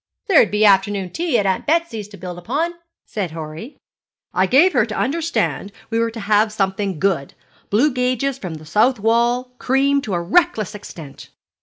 'There'd be afternoon tea at Aunt Betsy's to build upon, said Horry. 'I gave her to understand we were to have something good: blue gages from the south wall, cream to a reckless extent.'